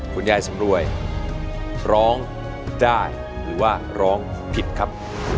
คุณยายสำรวยร้องได้หรือว่าร้องผิดครับ